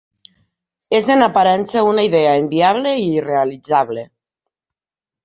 És en aparença una idea inviable i irrealitzable.